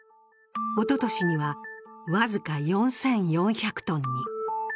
おととしには、僅か４４００ｔに。